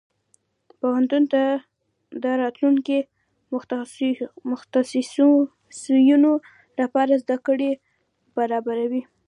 پوهنتون د راتلونکي متخصصينو لپاره زده کړې برابروي.